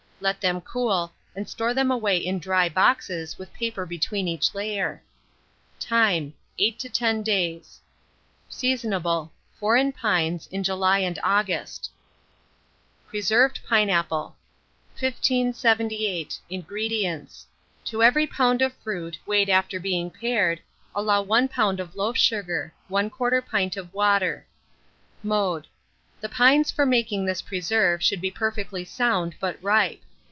Let them cool, and store them away in dry boxes, with paper between each layer. Time. 8 to 10 days. Seasonable. Foreign pines, in July and August. PRESERVED PINEAPPLE. 1578. INGREDIENTS. To every lb. of fruit, weighed after being pared, allow 1 lb. of loaf sugar; 1/4 pint of water. Mode. The pines for making this preserve should be perfectly sound but ripe.